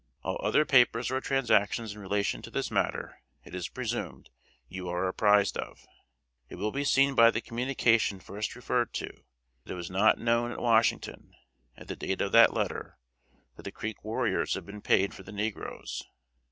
All other papers or transactions in relation to this matter, it is presumed, you are apprized of. It will be seen by the communication first referred to, that it was not known at Washington, at the date of that letter, that the Creek warriors had been paid for the negroes.